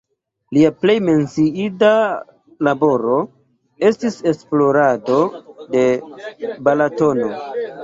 Lia plej menciinda laboro estis esplorado de Balatono.